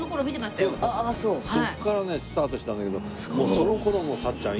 そこからねスタートしたんだけどその頃のさっちゃん